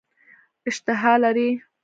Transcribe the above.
اشتها لري.